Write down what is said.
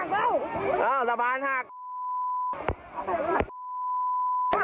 แล้วปรากฏว่ารับน้ำหนักไม่ไหวแล้วก็พังถล่มลงมา